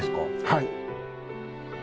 はい。